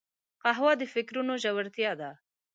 قهوه د فکرونو ژورتیا ده